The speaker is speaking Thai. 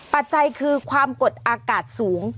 ปัจจัยคือความกดอากาศสูง